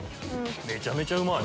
めちゃめちゃうまい！